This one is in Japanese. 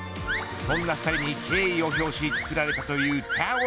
そんな２人に敬意を表し作られたというＴＯＷＥＲ